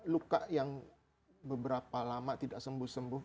luka yang beberapa lama tidak sembuh sembuh